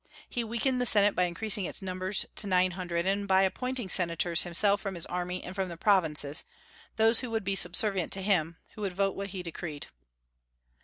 He weakened the Senate by increasing its numbers to nine hundred, and by appointing senators himself from his army and from the provinces, those who would be subservient to him, who would vote what he decreed.